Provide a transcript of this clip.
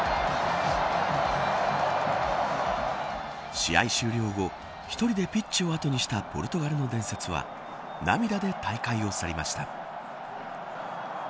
試合終了後１人でピッチを後にしたポルトガルの伝説は涙で大会を去りました。